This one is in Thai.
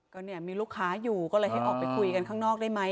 ก็เนี่ยมีลูกค้าอยู่ก็เลยให้ออกไปคุยกันข้างนอกได้ไหม